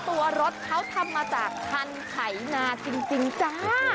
ตัวรถเขาทำมาจากคันไขนาจริงจ้า